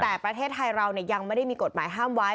แต่ประเทศไทยเรายังไม่ได้มีกฎหมายห้ามไว้